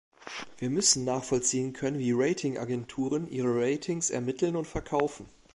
Wir müssen nachvollziehen können, wie Rating-Agenturen ihre Ratings ermitteln und verkaufen.